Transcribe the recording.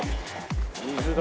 水だ。